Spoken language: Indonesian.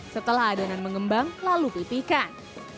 setelah adonan mengembang lalu pipihkan